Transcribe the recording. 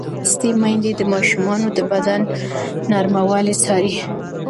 ښوونځې لوستې میندې د ماشومانو د بدن نرموالی څاري.